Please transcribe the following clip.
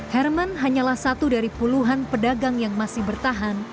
herman hanyalah satu dari puluhan pedagang yang masih bertahan